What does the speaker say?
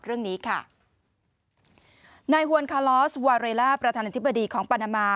เรื่องนี้ค่ะนายฮวนคาลอสวาเรล่าประธานาธิบดีของปานามา